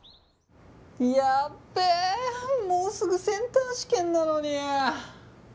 やべえもうすぐセンター試験なのに。